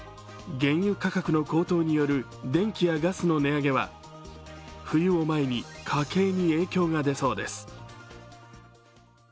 原油価格の高騰による電気やガスの値上げは冬を前に家計に影響が出そうです。